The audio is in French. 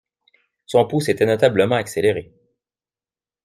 Son pouls s’était notablement accéléré.